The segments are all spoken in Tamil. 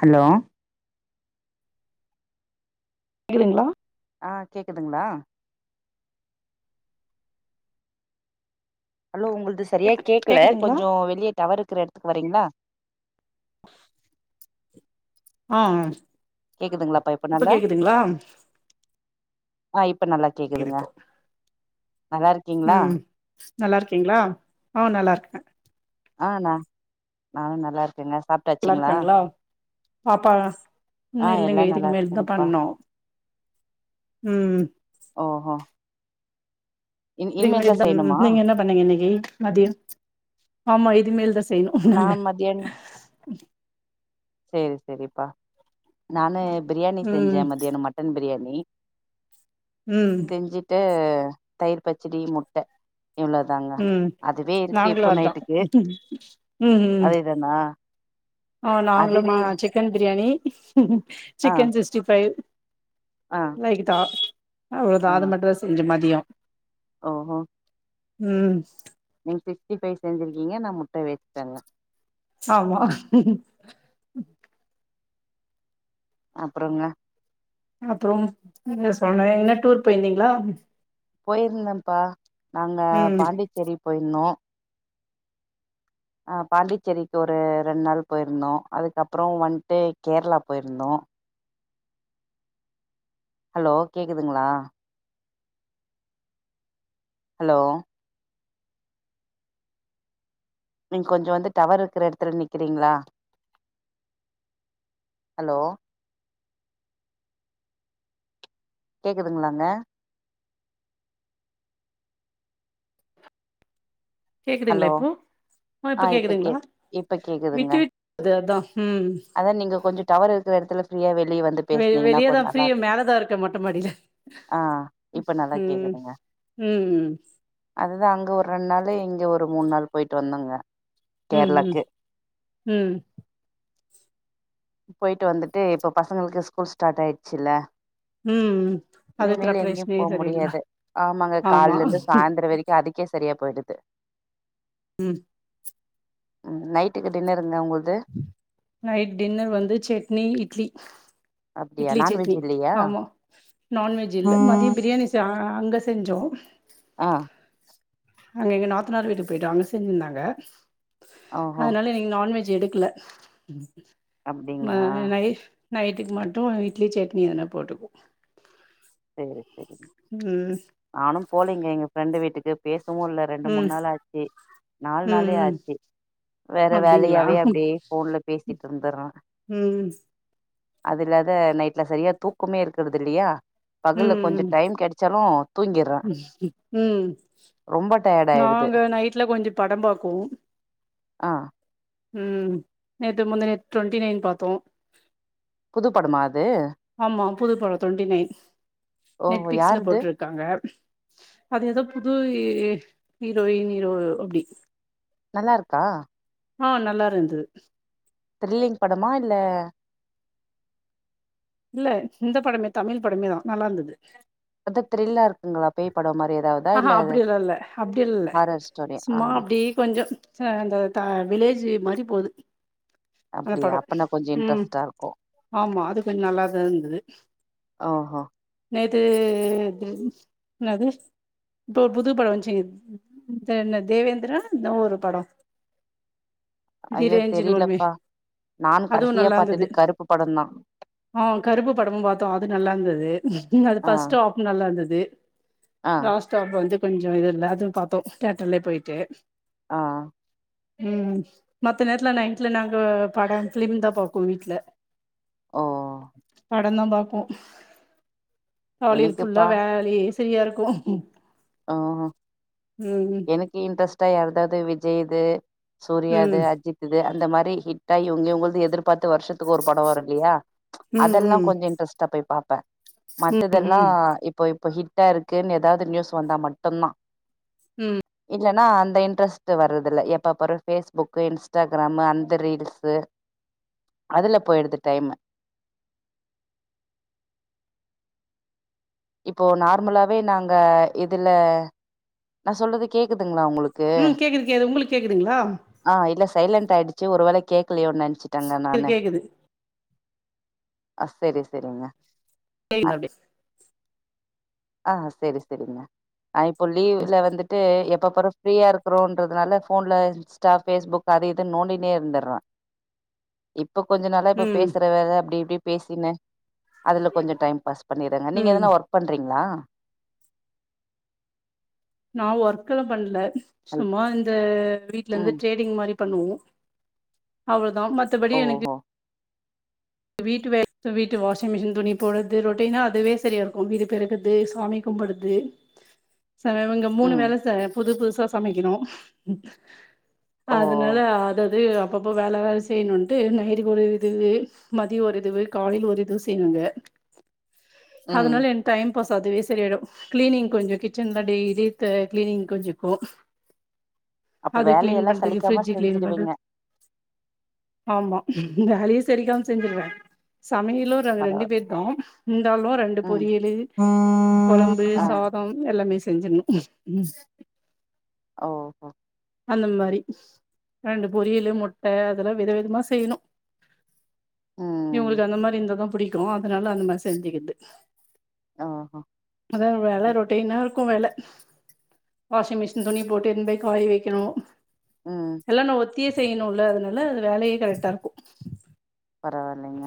ஹலோ கேக்குதுங்களா ஆ கேக்குதுங்களா ஹலோ உங்களுது சரியா கேக்கு கேட்கல கேக்குதுங்களா கொஞ்சம் வெளியே டவர் இருக்கிற இடத்துக்கு வ ரிங்களா ஆஹா. கேக்குதுங்களாப்பா இப்ப நல்லா ஆ இப் ப நல்லா கேக்குது கேக்குதுங்க இப்போ நல்லா இருக்கீங்களா ம் நல்லா இருக்கீங்களா அஹ் நல்லா இருக்கேன் ஆஹ் நா நானும் நல்லா இருக்கேங்க சாப்டாச்சுங்களா பாப்பாளாம் இன்னு இல்லைங்க இதுக்கு நல்லா மேல்தான் இருக்காங்கப்பா பண்ணோம் உம் ஓஹோ இன் அது தா இனிமேல் தான் செய்யணுமா நீங்க என்ன பண்ணீங்க இன்னைக்கு மதியம் ஆமா இது மேல்தா செய் யணும் நா நாங்க மதியானோ சேரி சேரிப்பா நானு பிரியாணி ம் செஞ்சேன் மதியானம் மட்டன் பிரியாணி நீ ம் செஞ்சுட்டு தயிர் பச்சடி முட்ட. இவ்ளோதாங்க ம் அதுவே இருக்கு நாங்களு இப்போ அதான் நைட்டுக்கு ம் ம் ம். அதேதானா ஆ நாங்களும்மா அதுவே சிக்கன் பிரியாணி. [inaudible] ம் ஆ சிக்கன் சிக்ஸ்டி ஃபைவ். ஆ ரைத்தா. அவ்வளவுதா ஆ அது மட்டு தான் செஞ்ச மதியம். ஓஹோ ம் சிக்ஸ்டிஃபை செஞ்சிருக்கீங்க நா முட்ட வேச்சுட்டேங்க ஆமா அப்பொறங்க அப்புறோ என்ன சொன்ன என்ன டூர் போயிந்தீங்ளா போயிருந்தம்ப்பா நாங்க ம் பாண்டிச்சேரி போயிந்தோ ஆ பாண்டிச்சேரிக்கு ஒரு ரெண் நாள் போயிருந்தோ அதுக்கப்புறோ வண்ட்டு கேரளா போயிருந்தோ ஹலோ கேக்குதுங்களா ஹலோ நீங் கொஞ்சொ வந்து டவர்ருக்குற எடத்துல நிக்கிறீங்ளா ஹலோ கேக்குதுங்ளாங்க கேக்குதுங்ளா ஹலோ இப்போ ஒ ஆ இப்போ இப்ப கே கேக்குதுங்ளா இப்ப கேக்குதுங்க விட்டு விட் து அதா ம் அதா நீங்க கொஞ்சொ டவர்இருக்குற எடத்துல ப்ரியா வெள் வெ வெளியதா ஃப்ரீயா மேலதா இருக்கே மொட்ட மாடில ஆ இப்ப நல்லா ம் கேக்குதுங்க ம் ம் ரங்க ஒர் ரெண்நாளெ இங்க ஒரு மூணு நாள் போயிட்டு வந்தோங்க ம் கேரளாக்கு ம் ம் போயிட்டு வந்துட்டு இப்ப பசங்கள்க்கு ஸ்கூல் ஸ்டார்ட் ஆயிட்ச்சுல்ல ம் அது இனிமேல் எங்யு ப்ரப்பரேஷனே போ சரியில்ல முடியாது ஆமாங்க ஆமா கால்லெந்து சாய்ந்துரெ வரைக்கு அதுக்கே சரியா போயிடுது ம் ம் நைட்டுக்கு டின்னருங்க உங்கள் நைட் டின்னர் வந்து செட்னி இட்லி அப்டியா இட்லி நான்வெஜ் சட்னி இல்லையா ஆமா நான்வெஜ் இல்ல மதியம் பிரியாணி ச ஆ அங்க செஞ்சோ ஆ அங்க எங்க நாத்தனார் வீட்டுக் போயிட்டோ அங்க செஞ்சுந்தாங்க ஓஹோ அதனால இனிக் நான்வெஜ் எடுக் கில்ல மை அப்டிங்களா நை நைட்டுக்கு மட்டு இட்லி சட்னி எனா போட்டுக்வோ சேரி சேரி உம் நானும் போலிங்க எங்க ஃப்ரெண்டு வீட் டுக்கு பேச தவு ல்ல ரெண்டு ம் மூண் நாள் ஆச்சி நால் ம் நாளே ம் ஆச்சி வேற அப்டிங்களா வேலயாவே அப்டியே போன்ல பேசிட்டு ருந்துற ம் அதுல்லாத நைட்ல சரியா தூக்கமே இருக்கிறது இல்லியா பகல்ல கொஞ்சோ டைம் கெடச்சாலு தூங்கிர்றே உம் ம் உம் ரொம்ப டயர்ட் ஆயிடுது நாங்க நைட்ல கொஞ்சோ படம் பாப்போ ஆமா உம் நேத்து முந்த நேத்த ட்வெண்டி நைன் பாத்தோ புது படமா ம் ஆமா புது படோ ட்வெண்டி நைன் நெட் பிக்ஸ்ல யாருது போட்ருக்காங்க அது எதோ புது ஹீ ஹீரோயின் ஹீரோ அப்டி நல்லா ருக்கா ஆஹ் நல்லா இருந்து த்ர்ல்லிங் படமா இல்ல இல்ல இந்த படமே தமில் படமே நல்லா இருந்தது. அது த்ரில்லா இருக்குங்ளா பேய் பட மாரி ஏதாவதா ஆஹாஹா இல்ல அது அப்டில்லல்ல அப்டில்ல ஹாரர் ஸ்டோரி ஆ சும்மா அப்டி கொஞ்சோ அ விலேஜ் மாரி போது அந்த அப்டியா படோ அப்பனா கொஞ்சோ உம் இன்ட்ரெஸ்ட்டா இருக்கு ஆமா அது கொஞ் நல்லா தா இருந்தது ஓஹோ நேத் [unintelligible] என்னது இப்ப ஒரு புது படோ வந்ச்சி என்ன தேவேந்திர இந்த ஒரு படோ ஐயோ திரஞ்சின் முர்மி தெரியலப்பா நான் அதுவு கடைசியா நல்லா பாத்தது இருந்தது கருப்பு படந்தா ஆஹ் கருப்பு படமு பாத்தோ அது நல்லா இருந்தது அது ஆ பஸ்டாப் நல்லா இருந்தது ஆ லாஸ்டாப் வந்து கொஞ்சோ எல்லாதையு பாத்தோ தேட்டர்லே போய்ட்டு ஆஹ் உம் ம் மத்த நேர்த்ல நைட்ல நாங்க பட பிலிம் தா பாப்போ வீட்ல ஓ படந்தா பாப்போ காலைலக்குல்லா எனக்குப்பா வேலயே செரியா இருக்கு ஹ்கும் ஓஹ் எனக்கு இன்ட்ரஸ்ட்டா யார்தாது வி செய்து ம் சூர்யா து ம் அஜித் து அ இந்த மாரி ஹிட் ஆயி இவுங்க இவுங்கது எதிர்பாத்து வர்ஷத்துக் ஒரு படோ வருல்லியா அதெல்லா ம் கொஞ்சோ இன்ட்ரெஸ்ட்டா போய் பாப் ப்ப ம் மத்ததெல்லா ம் இப்போ இப்போ ஹிட் ட்டா இருக்குன்னு எதாது நியூஸ் வந்தா மட்டுதா உம் இல்லன்னா அந்த இன்ட்ரெஸ்ட் வர்றதில்ல எப்ப பாரு ஃபேஸ்புக்கு இன்ஸ்டாகிராமு அந்த ரீல்ஸு அதுல போயிடுது டைமு இப்போ நார்மலாவே நாங்க இதுல நா சொல்றது கேக்குது உம் கேக்குது கேக்குது உங்களுக்கு கேக்குதுங்களா ஆ இல்ல சைலண்ட் ஆயிடுச்சு ஒரு வேல கேக்கலயோனு நெனச்சே டங்க கேக்குது நானு கேக்குது அஹ் செரி செரிங்க இந்தா அப்டியே ஆஹ் சேரி சேரிங்க ஆ இப்போ லீவ்ல வந்துட்டு எப் எப்ப பாரு ஃப்ரீயா இருக்குறோன்றதுனால ஃபோன்ல இன்ஸ்டா பேஸ்புக்கு அது இதுன்னு நோண்டினே இருந்துறே இப் இப்ப கொஞ்சோ நாளா இப்ப ம் பேசுற வேல அப்டி இப்டி பேசின்னு அதுல கொஞ்சோ டைம் பாஸ் பண்ணிறேங்க் நீங்க ம் எதனா ஒர்க் பண்றிங் லா நா ஒர்க்லா பண்ல சும்மா இந்தா வீட்ல இருந்து ம் ட்ரேடிங் மா ரி பண்ணுவோ அவர் தா மத்தபடி எனக்கு ஓஹோ வீட்டு வேல வீட்டு வாஷிங் மிஷின் துணி போட்றது ரொட்டீனா அதுவே செரியா இருக்கு வீடு பெருகற்து சாமி கும்புட்றது சார் இவுங்க மூணு ம் வேல சார் புது புச் சமைக்கணு ஓ அதனால அதது அப்பப்போ வேல வேல செய்யணுன்ட்டு நைட்டுக்கு ஒரு இதுவு மதியம் ஒரு இதுவு காலையில ஒரு இதுவு செய்யணுங்க ம் அதனால என் டைம் இப்ப அதுவே சரியாயிடும் க்ளீனிங் கொஞ்சோ கிச்சன்ல டெய்லி த க்ளீனிங் கொஞ்சோ இருக்கூ அப்ப அது க்ளீன் வேலையெல்லா பண்றதுக்கு சலிக்காம ஃப்ரிட்ஜ் க்ளீன் செஞ்சுடுவீங்க பண்றது ஆமா வேலயும் சலிக்காம செஞ்சுருவேன் சமயலு ர ர ரெண்டு பரவா பேர் [unintelligible] லும் ரெண்டு ம் பொரியலு குழம்பு ஆ சாதம் எல்லாமேஸ் செஞ்சிடணு ம் ஓஹோ அந்த மாரி ரெண்டு பொரியலு முட்டஅதெல்லா வித விதமா செய்யணு ம் இவங்களுக்கு அந்த மாரி இருந்தாதா ப் புடிக்கு அதனால அந்த மாதிரி செஞ்சுக்கிது ஓஹோ அதா வேல ம் ரொட்டின்னா கும் வேல வாஷிங் மிஷின் துணி போட்டு இ போ காய வைக்கணு ம். எல்லா நோவு திய செய்யணுல அதனால அது வேலையே கரெட்டா இருக்கு பரவாயில்லங்க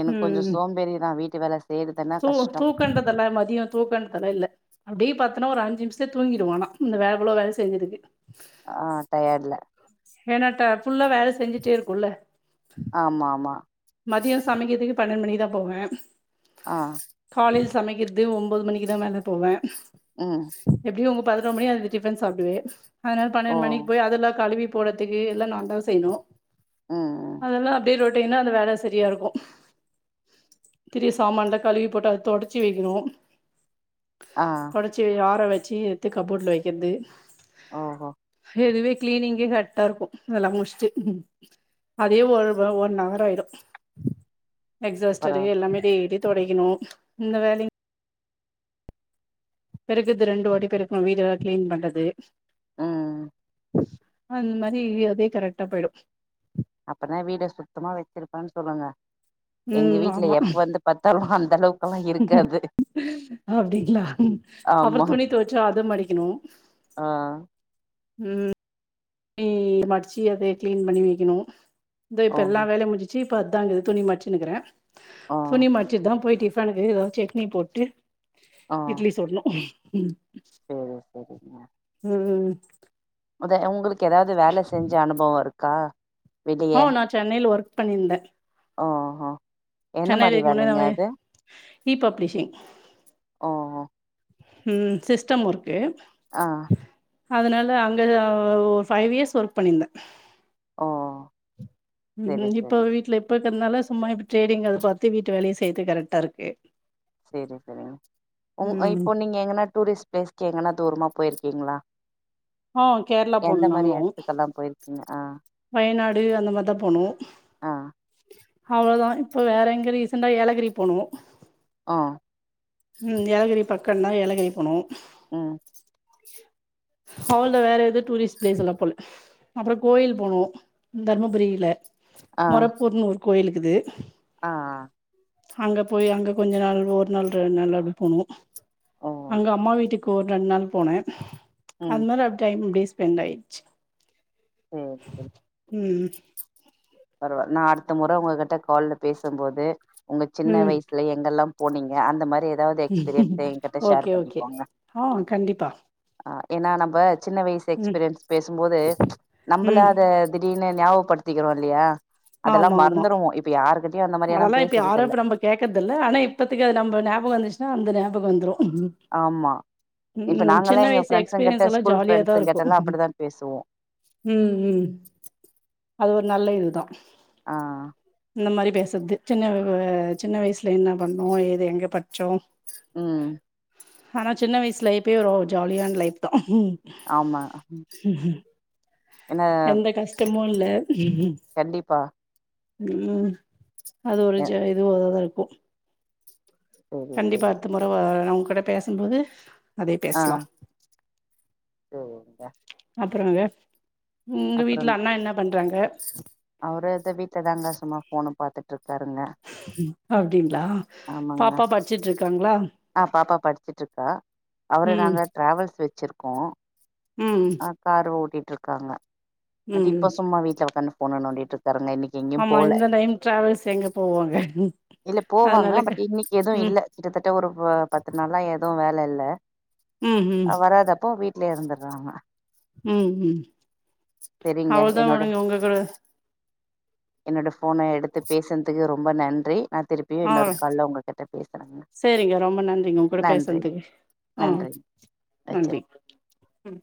எனக்கு கொஞ்சோ ம் சோம்பேறிதான் வீட் [unintelligible] தூ தூக்கண்டதெல்லா மதியோ தூக்கண்தெல்லா இல்ல அப்படியே பாத்தோனா ஒரு அஞ்சு நிமிஷத் தூங்கிடுவோ ஆனா இந்த வேலபுல்லா வேல செஞ்சதுக்கு ஆ டயட்ல ஏனாட்டா ஃபுல்லா வேல செஞ்சுட்டே இருக்குல்ல ஆமா ஆமா மதியோ சமைக்கிறதுக்கு பன்னெண்டு மணிக்தான் போவே ஆஹ் காலேஜ் சமைக்கிறது ஒம்பது மணிக்கு தா வேல போவே ம் பதினோ மணி அது டிபன் சாப்டுவே அதனால ஓ பன்னெண்டு மணிக்கு போய் அதல்ல கழுவி போறதுக்கு எல்லா நா தா செய்யணு ம் ம் அதெல்லா அப்டியே ரொட் இப்ப என்ன அந்த வே ஐ சரியா இருக்கும் திரிய சாமான்ல கழுவி போட்டு அத துடைச்சு வைக்கணும் ஆ தொடச்சு யாற வ ச்சி எடுத்து கப்போர்டல வைக்கிறது ஓஹோ இதுவே கிளீனிங்கே கரெக்டா இருக்கும் அதெல்லாம் முடுச்சுட்டு அதே ஒரு ஒன் அவர் ஆயிடும் எக்ஸாஸ்டரு பரவா எல்லாமே டேய்லி தொடைக்கணும் இந்த வேலைங் பெருக்குது ரெண்டு வாட்டி பெருக்கணு வீடு ஏதாது கிளீன் பண்றது அஹ் அஹ் அந்த மாரி அதே கரெக்டா போயிடும் அப்பதா வீட சுத்தமா வச்சிருப்பா சொல்லுங்க எங்க உம் வீட்ல ஆமா எப்ப வந்து பாத்தாலு அந்த அளவுக்கெல்லா இருக்காது அப்டிங்ளா அப்புற ஆமா துணி துவச்சா அத மடிக்கணும் ஆ உம் துணீ மடிச்சு அதே கிளீன் பண்ணி வைக்கணும் த ஓ இப்பெல்லா வேல முஞ்சிச்சு இப்ப அதாங்க துணி மச்சினுக்குறே ஆ துணி மச்சி தா போய்ட்டு பனஞ்சு ஏதோ செட்னி போட்டு ஆ இட்லி சுடணும் உம் சேரி உம் அதை உங்ளுக் க்கு ஏதாவது வேல செஞ்ச அனுபவ இருக் க்கா ஹா நான் சென்னைல ஒர்க் பண்ணிருந்தே ஓஹோ என்ன மாரி வேலைங்க அது ரீபப்ளிஷிங் ஓ ஓ ம் சிஸ்டம் ஒர்க் கே ஆ அதனால அங்க ஒரு ஃபைவ் இயர்ஸ் ஒர்க் பண்ணிருந்தன் ஓ செரி உம் இப்போ செரிங்க வீட்ல எப்ப இருக்கறனால சும்மா இப்ப ட்ரேடிங் அத பாத்து வீட்டு வேலய செய்ரது கரெக்டா இருக்கு சேரி சேரி உ ம் இப்போ நீங்க எங்கனா டூரிஸ்ட் பிளேஸ்கு எங்கனா தூரமா போய்ருக்கீங்களா ஆஹ் கேரளா போணம் நாங்களு போயிருக்கீங்க ஆ வயநாடு அந்த மாரிதா போனோ ஆ அவ்ளோதா இப்ப வேற எங்க ரீசன்டா ஏலகிரி போனோ ஆஹ் உம் ஏலகிரி பக்கந்தா ஏலகிரி போனோ உம் அவ்ளதா வேற எது டூரிஸ்ட் பிளேஸ் எல்லா போல அப்புற கோயில் போனோ தருமபுரியில மொரப்பூர் நூர் கோயிலுக்குது ஆஹ்ஹ் அங்க போய் அங்க கொஞ்ச நாள் ஒரு நாள் ரெண் நாள் அப்டி போனோ ஓ அங்க அம்மா வீட்டுக்கு ஒரெண்டு நாள் போனே ம் அதுனால டைம் [unintelligible] ரண் ஆய்டுச்சு சேரி உம் ச் ச் ஹ பரவாயில் நான் அடுத்த முறை உங்ககிட்ட கால்ல பேசும்போது உங்க சின்ன வயசுல எங்கெல்லாம் போனீங்க அந்த மாதிரி எது ஹ ஓகே ஓகே ஆஹ கண்டிப்பா என்ன நம்பர் சின்ன வயசு ம் எக்ஸ்பீரியன்ஸ் பேசும்போது ச் நம்மள ம் அத திடீர்னு ஞாபப்படுத்து திக லால் பிரியா அதெல்லாம் மறந்துடுவோம் இப்ப யாருக்கிட்ட அதெல்லாம் இப்ப யாரும் இப்ப நம்ம கேக்குறதுல்ல ஆனா இப்பத்துக்கு அது நம்ம ஞாபகம் வந்துச்சன்னா அந்த ஞாபக பக வந்துரும் உம் ஆமா இப்ப நாங்கல்லா சின்ன எங்க வயசு ஃப்ரெண்ட்ஸுங்கிட்ட எக்ஸ்பிரியன்ஸ் லாம் ஸ்கூல் ஜாலியா தான் இருக்கும் ஃப்ரெண்ட்ஸுங்கிட்டல்லா அப்படிதா பேசுவோ ம் ம் அது ஒரு நல்ல இது தான் ஆ இந்த மாரி சின்ன வ சின்ன வயசுல என்ன பண்ணுவோ ஏது எங்க படிச்சோம் உஹம் ஆனா சின்ன வயசுல எப்பயே ஒரு ஜாலியான லைப் தான் ஹம் ஆமாஹ எந்த கஷ்டம் ப் முல்ல கண்டிப்பா உஹம் அது ஒரு எ ஜ ஏதோ ஒரு உ சேரி கண்டிப்பா சேரி அடுத்த முறை வ அவங் கூட பேசும்போது அதே ஆ பேசலா சேரிங்க அப்புறங்க உங்க அப்புறங்க வீட்டுல அண்ணா என்னா பண்றாங்க [inaudible] பாத்துட்ருக் பாருங்க அப்டிங்களா ஆமாங்க பாப்பா படிச்சுட்டு இருக்காங்களா ஆஹ்பாப்பா படிச்சட்டுருக்கா அவரு ம் நாங்க ட்ராவல்ஸ் வச்சிருக்கோ ம் ஆஹ் கரோடி ட்ருக்காங்க அண்ட் ம் இப்போ சும்மா வீட்ல உக்காந்து போனை நோண்டிட்ருக்காருங்க இன்னைக்கு எங்கயு ஆமா போல இந்த டைம் டிராவல்ஸ் எங்க போவாங்க இல்ல போவாங்க அதனால க பட் இன்னைக்கு எதும் ம் இல்ல கிட்டதட்ட ஒரு பத்து நாளா எதுவும் வேல இல்ல ம் ஆ வராத அப்போ வீட் ட்லயே இருந்துறாங்க உம் உம் சரிங்க அவ்ளோ தான் என்னோட உடுங்க உங்க கூட என்னோட போனை எடுத்து பேசுன்துக்கு ரொம்ப நன்றி நா திருப்பியு ஆ இன்னொரு கால்ல உங்கள கிட்ட பேசுகிறேங்க சரிங்க ரொம்ப நன்றிங்க உங்க கூட நன்றி பேசுனதுக்கு ஆ நன்றி வச்சுற நன்றி ம்